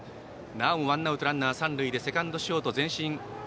なおもワンアウトランナー、三塁でセカンド、ショートは前進。